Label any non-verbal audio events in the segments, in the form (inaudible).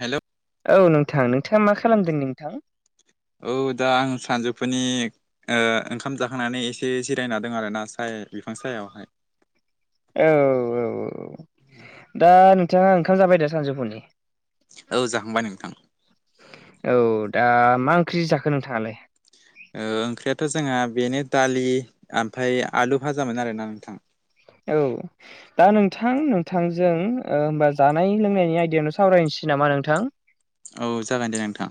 Hello औ नोंथां नोंथाङा मा खालामदों नोंथां औ दा आं सानजौफुनि ओ ओंखाम जाखांनानै एसे जिरायना दं आरोना साय बिफां सायावहाय औ औ औ दा नोंथाङा ओंखाम जाबाय दा सानजौफुनि औ जाखांबाय नोंथां औ दा मा ओंख्रि जाखो नोंथाङालाय ओंख्रियाथ' जोंहा बेनो दालि आमफ्राय आलु भाजामोन आरोना नोंथां औ दा नोंथां नोंथांजों ओ ओमबा जानाय लोंनायनि आयदायावनो सावरायनोसै नामा नोंथां औ जागोन दे नोंथां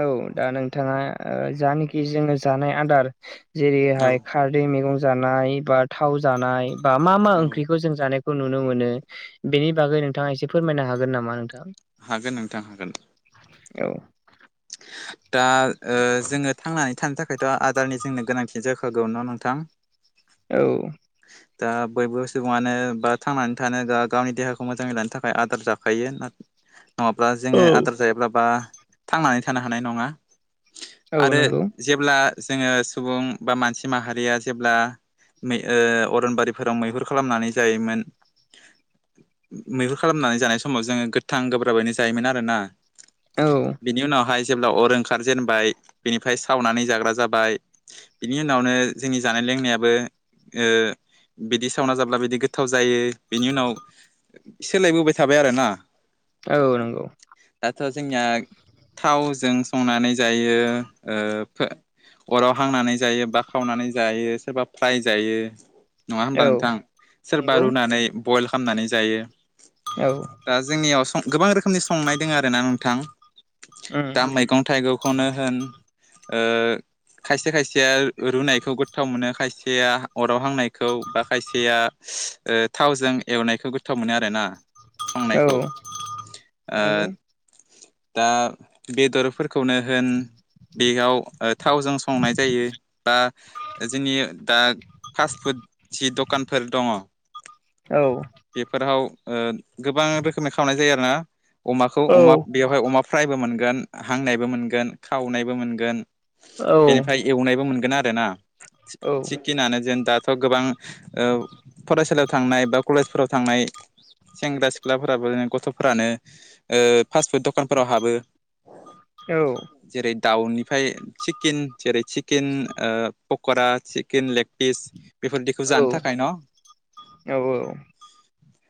औ दा नोंथाङा ओ जानोखि जोङो जानाय आदार औ जेरैहाय खारदै मैगं जानाय बा थाव जानाय बा मा मा औ ओंख्रिखौ जों जानाय खौ नुनो मोनो बेनि बागै नोंथाङा एसे फोरमायनो हागोन नामा नोंथां हागोन नोंथां हागोन औ दा ओ जोङो थांनानै थानो थाखायथ' आदारनि जोंनो गोनांथि जाखागौ न' नोंथां औ दा बयबो सुबुङानो बा थांनानै थानो बा गावनि देहाखौ मोजाङै लानो थाखाय आदार जाखायो (inaudible) नङाब्ला औ जोङो आदार जायाब्ला बा थांनानै थानो हानाय नङा औ आरो नंगौ जेब्ला जोङो सुबुं बा मानसि माहारिया जेब्ला मै ओ अरनबारिफोराव मैहुर खालामनानै जायोमोन मैहुर खालामनानै जानाय समाव जोङो गोथां गोब्राबैनो जायोमोन आरोना औ बिनि उनावहाय जेब्ला अर ओंखारजेनबाय बिनिफ्राय सावनानै जाग्रा जाबाय बिनि उनावनो जोंनि जानाय लोंनायाबो ओ बिदि सावना जाब्ला बिदि गोथाव जायो बिनि उनाव सोलाय बोबाय थाबाय आरोना औ नंगौ दाथ' जोनिया थावजों संनानै जायो ओ फो अराव हांनानै जायो बा खावनानै जायो सोरबा फ्राय जायो नङा होमबा औ नोंथां नंगौ सोरबा रुनानै बयल खामनानै जायो औ दा जोंनियाव सं गोबां रोखोमनि संनाय दोङो आरोना नोंथां उम दा मैगं थाइगंखौनो होन ओ खायसे खायसेया रुनायखौ गोथाव मोनो खायसेया अराव हांनायखौ बा खायसेया ओ थावजों एवनायखौ गोथाव मोनो आरोना औ संनायखौ ओ नंगौ दा बेदरफोरखौनो होन बेयाव थावजों संनाय जायो बा जोंनि दा फास्ट फुड जि दखानफोर दङ औ बेफोराव ओ गोबां रोखोमनि खावनाय जायो आरोना अमाखौ औ अमा बेवहाय अमा फ्रायबो मोनगोन हांनायबो मोनगोन खावनायबो मोनगोन औ बेनिफ्राय एवनायबो मोनगोन आरोना औ सिकिनानो जों दाथ' गोबां ओ फरायसालियाव थांनाय बा कलेजफोराव थांनाय सेंग्रा सिख्लाफोराबो गथ'फोरानो ओ फास फुड दखान फोराव हाबो औ जेरै दाउनिफ्राय सिकेन जेरै सिकेन ओ पक'रा सिकेन लेगपिस बेफोरदिखौ जानो थाखाय न'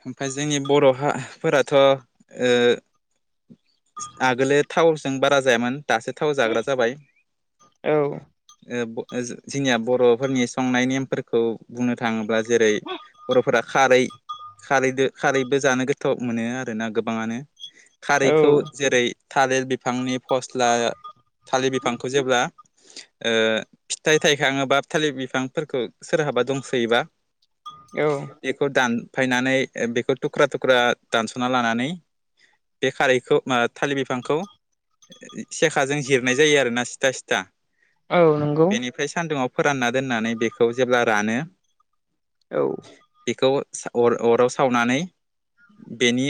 ओमफ्राय जोंनि बर' हा फोराथ' ओ आगोलै थावजों बारा जायामोन दासो थाव जाग्रा जाबाय ओ जोंनिया बर'फोरनि संनाय नेमफोरखौ बुंनो थाङोब्ला जेरै बर'फोरा खारै खारैदो खारैबो जानो गोथाव मोनो आरोना गोबाङानो औ खारैखौ जेरै थालिर बिफांनि फस्ला थालिर बिफांखौ जेब्ला ओ फिथाइ थाइखाङोबा थालिर बिफांफोरखौ सोरहाबा दंसोयोबा औ बेखौ दानफायनानै बेखौ थुख्रा थुख्रा दानस'ना लानानै बे खारैखौ मा थालिर बिफांखौ सेखाजों जिरनाय जायो आरोना सिथा सिथा औ नंगौ ओमफ्राय सान्दुुंआव फोरानना दोननानै बेखौ जेब्ला रानो औ बेखौ अर अराव सावनानै बेनि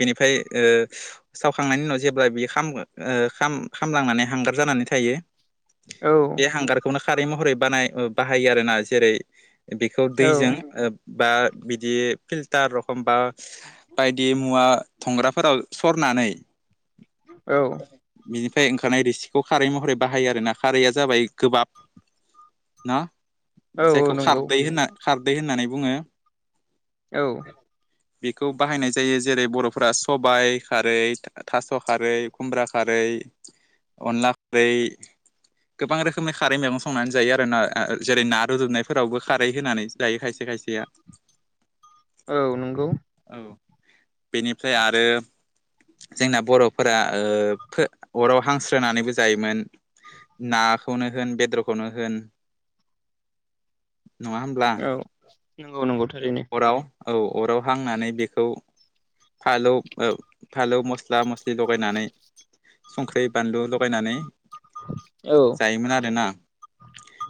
बेनिफ्राय ओ सावखांनायनि उनाव जेब्ला बियो खामगो खामलांनानै हांगार जानानै थायो औ बे हांगारखौनो खारै महरै बानाय बाहायो आरोना जेरै बेखौ औ दैजों बा बिदि फिल्टार रखम बा बायदि मुवा थंग्राफोराव सर नानै औ बिनिफ्राय ओंखारनाय रिसिखौ खारै महरै बाहायो आरोना खारैया जाबाय गोबाब ना औ जायखौ नंगौ खारदै होनना खारदै होननानै बुङो औ बेखौ बाहायनाय जायो जेरै बर'फोरा सबाय खारै थास' खारै खुमब्रा खारै अनला खारै गोबां रोखोमनि खारै मैगं संनानै जायो आरोना जेरै ना रुदुबनायफोरावबो खारै होनानै जायो खायसे खायसे या औ नंगौ औ बेनिफ्राय आरो जोंना बर'फोरा ओ फो अराव हांस्रोनानैबो जायोमोन नाखौनो होन बेदरखौनो होन (inaudible) नङा होमब्ला औ नंगौ नंगौ थारैनो अराव औ अराव हांनानै बेखौ फालौ फालौ मस्ला मस्लि लगायनानै संख्रै बानलु लगायनानै औ जायोमोन आरोना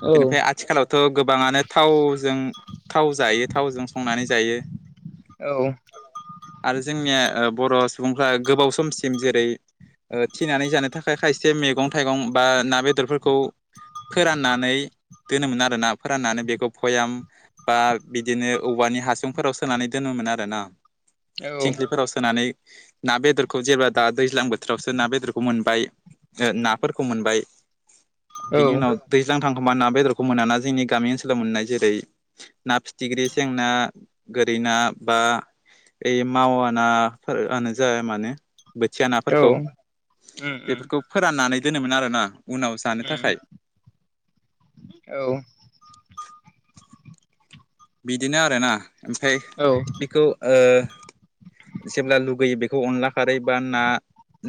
औ बेनिफ्राय आथिखालावथ' गोबाङानो थावजों थाव जायो जों संनानै जायो औ आरो जोंनिया बर' सुबुंफ्रा गोबाव समसिम जेरै थिनानै जानो थाखाय खायसे मैगं थाइगं बा ना बेदरफोरखौ फोराननानै दोनोमोन आरोना फोराननानै बेखौ भयाम बा बिदिनो औवानि हासुंफोराव सोनानै दोनोमोन आरोना औ थिंख्लिफोराव सो होनानै ना बेदरखौ जेब्ला दा दैज्लां बोथोरावसो ना बेदरखौ मोनबाय नाफोरखौ मोनबाय औ बिनि उनाव दैज्लां थांखोमबा ना बेदरखौ मोनाना जोंनि गामि ओनसोलाव मोननाय जेरै ना फिथिख्रि सेंना गोरै ना बा ओइ मावानाफोरानो जाया मानो बोथिया औ नाफोरखौ उम उम बेफोरखौ फोराननानै दोनोमोन आरोना। उनाव जानो उम थाखाय औ बिदिनो आरोना ओमफ्राय औ बेखौ ओ जेब्ला लुगैयो बेखौ अनला खारै बा ना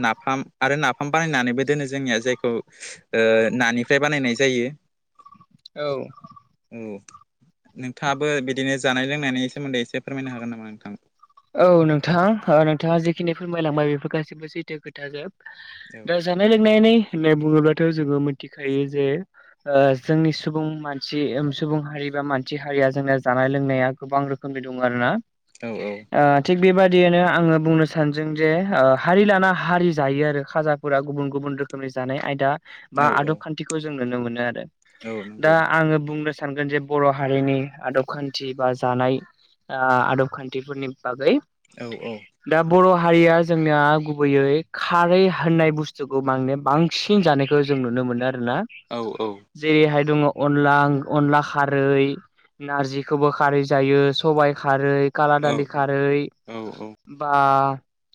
नाफाम आरो नाफाम बानायनानैबो दोनो जोंनिया जायखौ ओ नानिफ्राय बानायनाय जायो। औ उम नोंथाङाबो बिदिनो जानाय लोंनायनि सोमोन्दै एसे फोरमायनो हागोन नामा नोंथां? औ नोंथां नोंथाङा जिखिनि फोरमायलांबाय बेफोर गाससिबो सैथो खोथाजोब औ दा जोब। जानाय लोंनायनि होननाय बुङोब्लाथ' जोङो मिथिखायो जे जोंनि सुबुं मानसि सुबुं हारि बा मानसि हारिया जोंनि जानाय लोंनाया गोबां रोख खोमनि दंङ आरोना औ-औ थिग बेबादियनो आङो बुंनो सानदों जे हारि लाना हारि जायो आरो खाजा फोरा गुबुन गुबुन रोखोमनि जानाय आयदा बा औ औ आदब खान्थिखौ जों नुनो मोनो आरो औ दा नंगौ आङो बुंनो सानगोन जे बर' हारिनि आदब खान्थि बा जानाय आदब खान्थिफोरनि बागै औ-औ दा बर' हारिया जोंनाया गुबैयै खारै होननाय बुस्थुखौ बांनो बां सिन जानायखौ जों नुनो मोनो आरो ना। औ-औ जेरैहाय दङ अनला अनला खारै नारजिखौबो खारै जायो सबाइ खारै खाला दालि औ खारै औ औ बा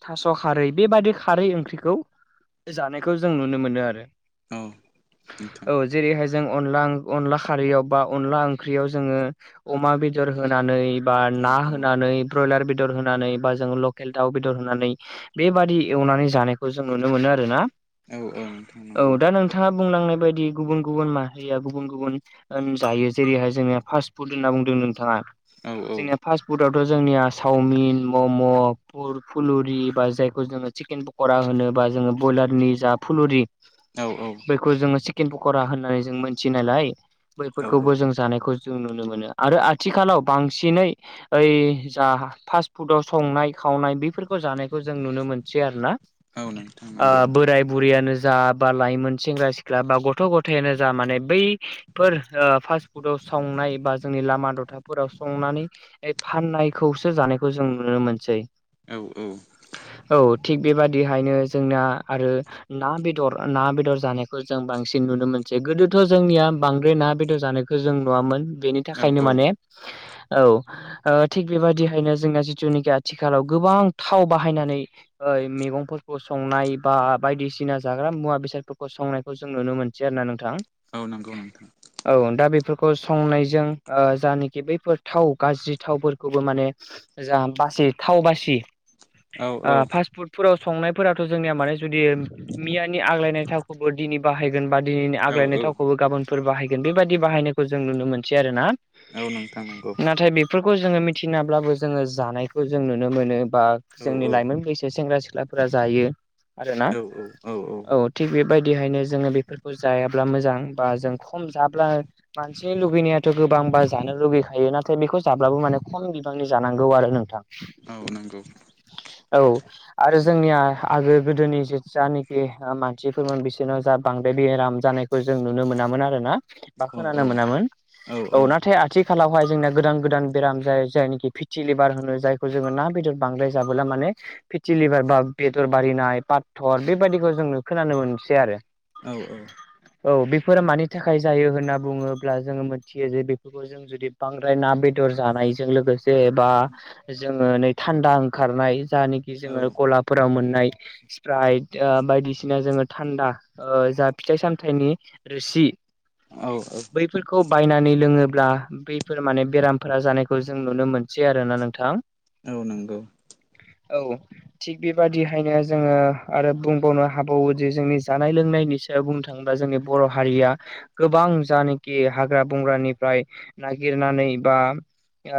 थास' खारै बेबाददि खारै ओंख्रिखौ जानायखौ जों नुनो मोनो आरो। औ नोंथां औ जेरैहाय जों अनला अनला खारैयाव बा अनला ओंख्रियाव जोङो अमा बेदर होनानै बा औ ना औ होनानै ब्रयलार बेदर होनानै बा जोङ लकेल दाउ बेदर होनानै बेबादि एवनानै जानायखौ जों नुनो मोनो आरोना औ-औ नोंथां औ नंगौ। दा नोंथाङा बुंलांनाय बायदि गुबुन गुबुन माहारिया गुबुन गुबुन जायो जेरैहाय जोंनिया फास्ट फुद होनना बुंदों नोंथाङा औ औ जोंनिया फास्ट फुद आवथ' जोंनिया चावमिन मम' फुलुरि बा जायखौ जोङो चिकेन पकरा होनो बा जोङो ब्रयलारनि जा फुलुरि औ-औ बखौ जोङो चिकेन पक'रा होननानै जों मोनथियो नालाय औ औ बैफोरखौबो जों जानायखौ जों नुनो मोनो आरो आथिखालाव बांसिनै ओइ जा फास फुडाव संनाय खावनाय बेफोरखौ जानायखौ जों नुनो मोनसै आरोना औ नोंथां ओ नंगौ बोराय बुरैयानो जा बा लाइमोन सेंग्रा सिख्ला बा गथ' गथायानो जा माने बै फोर ओ फास्ट फुदाव संनाय बा जोंनि लामा दथाफोराव संनानै फाननाय खौसो जानायखौ जों नुनो मोनसै। औ औ औ थिग बेबादिहायनो जोंना आरो ना बेदर ना बेदर जानायखौ जों बांसिन नुनो मोनसै गोदोथ' जोंनिया बांद्राय ना बेदर जानायखौ जों नुवामोन बेनि औ थाखायनो औ माने औ ओ थिग बेबायदिहायनो जोंना जिथुनाखि आथिखालाव गोबां थाव बाहायनानै ओ मैगंफोरखौ संनाय बा बायदिसिना जाग्रा मुवा बेसादफोरखौ संनाय खौ जों नुनो मोनसै आरो ना नोंथां। औ नंगौ नोंथां। औ दा बेफोरखौ संनायजों ओ जानाखि बैफोर थाव गाज्रि थावफोरखौ खौबो माने जा बासि थाव बासि औ ओ औ फास फुड फोराव संनायफोराथ' जोंनिया माने जुदि मियानि आग्लायनाय थावखौबो दिनै बाहाय बा दिनैनि औ आग्लायनाय औ थावखौबो गाबोनफोर बाहायगोन बेबायदि बाहायनायखौ जों नुनो मोनसै आरो ना। औ नोंथां नंगौ। नाथाय बेफोरखौ जोङो मिथियैब्लाबो जोङो जानायखौ जों नुनो मोनो बा औ जोंनि औ लाइमोन बैसो सेंग्रा सिख्लाफोरा जायो आरोना औ औ औ औ थिग बेबायदिहायनो जोङो बेफोरखौ जायाब्ला मोजां बा जों खम जाब्ला मानसिनि लुगैनायाथ' गोबांथार जानो लुगैखायो नाथाय बेखौ जाब्लाबो माने खम बिबांनि जानांगौ आरो नोंथां औ नंगौ। औ आरो जोंनिया आगो गोदोनि जानाखि मानसिफोरमोन बिसोरनाव जा बांद्राय बेराम जानाय खौ जों नुनो मोनामोन आरोना। बा औ खोनानो मोनामोन औ नाथाय आथिखालावहाय जोंनाया गोदान गोदान बेराम जाय जायनिखि फिथि लेबार होनो जायखौ जोङो ना बेदर बांद्राय जाबोला माने फेथिलिभार बा बेदर बारिनाय पाथर बेबायदिखौ जोंनो खोनानो मोनसै आरो औ औ औ बेफोर मानि थाखाय जायो होन्ना बुङोब्ला जोङो मोनथियो जे बेफोरखौ जों जुदि बांद्राय ना बेदर जानाय जों लोगोसे बा जो थान्दा ओंखारनाय जानिखि जोङो गलाब फोराव मोननाय स्प्राइट ओ बायदिसिना जोङो थानदा ओ जा फिथाइ सामथाइनि रोसि औ औ बैफोरखौ बायनानै लोङोब्ला बैफोर माने बेरामफोरा जानायखौ खौ जों नुनो मोनसै आरोना नोंथां। औ नंगौ। औ थिग बेबादिहायनो जोङो आरो बुंबावनो हाबावो जे जोंनि जानाय लोंनायननि बुंनो थाङोब्ला जोंनि बर' हारिया गोबां जानाखि हाग्रा बंग्रानिफ्राय नागिरनानै बा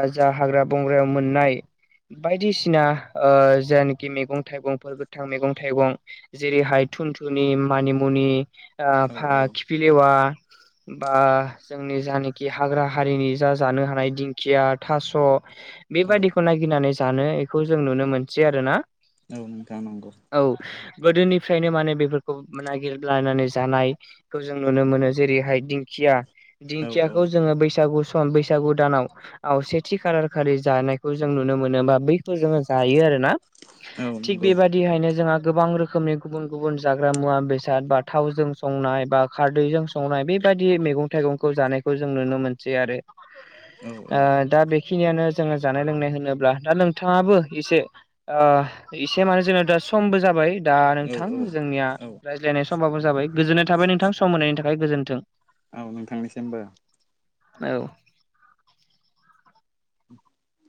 ओ जा हाग्रा बंग्रायाव मोननाय बायदिसिना ओ जायनाखि मैगं थाइगंफोर गोथां मैगं थाइगं जेरैहाय थुनथुनि मानिमुनि ओ औ खिफिलेवा बा जोंनि जानाखि हाग्रा हारिनि जा जानो हानाय दिंखिया थास' बेबादिखौ नागिरनानै जानो बेखौ जों नुनो मोनसै आरो ना। औ नोंथां नंगौ औ गोदोनिफ्रायनो माने बेफोरखौ नागिरलायनानै जानाय खौ जों नुनो मोनो जेरैहाय दिंखिया औ औ दिंखियाखौ जोङो बैसागु सम बैसागु दानाव आव सेथि खाालार खालि जानायखौ जों नुनो मोनोबा बै जायो आरोना औ थि नंगौ बेबादि बिदिहायनो जोंहा गोबां रोखोमनि गुबुन गुबुन जाग्रा मुवा बेसाद बा थावजों संनाय बा खारदैजों स संनाय बेबायदि मैगं थाइगंखौ जानायखौ जों नुनो मोनसै आरो औ ओ दा बेखिनियानो जोङो जानाय लोंनाय होनोब्ला दा नोंथाङाबो एसे एसे माने जोंना दा समबो जाबाय दा औ नोंथां जोंनिया औ रायज्लायनाय समबो जाबाय गोजोननाय थाबाय नोंथां सम होनायनि थाखाय गोजोन्थों औ नोंथांनिसिमबो औ